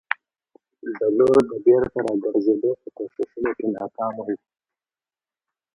د لور د بېرته راګرزېدو په کوښښونو کې ناکامه وو.